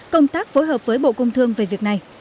công tác phối hợp với bộ công thương về việc này